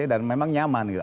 dan memang nyaman gitu